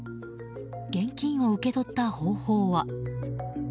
現金を受け取った方法は。